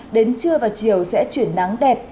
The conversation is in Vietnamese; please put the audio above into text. đến trưa và chiều sẽ chuyển nắng đẹp